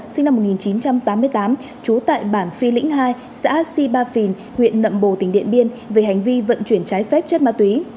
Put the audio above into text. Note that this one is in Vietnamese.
sinh năm một nghìn chín trăm tám mươi tám trú tại bản phi lĩnh hai xã sipa phìn huyện nậm bồ tỉnh điện biên về hành vi vận chuyển trái phép chất ma túy